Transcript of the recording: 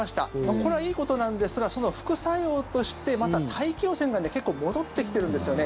これはいいことなんですがその副作用としてまた大気汚染が結構戻ってきてるんですよね。